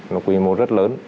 nó quy mô rất lớn